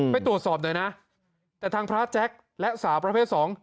ไปตรวจสอบหน่อยนะแต่ทางพระแจ็คและสาวประเภทสอง